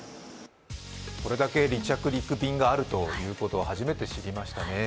これだけ離着陸便があるということを初めて知りましたね。